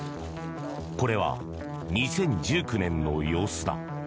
これは２０１９年の様子だ。